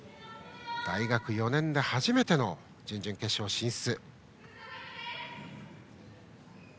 大学４年で初めての準々決勝進出。